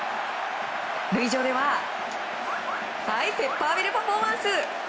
塁上ではペッパーミルパフォーマンス。